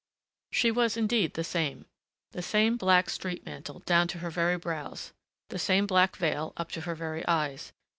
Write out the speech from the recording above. She was indeed the same. The same black street mantle, down to her very brows. The same black veil, up to her very eyes.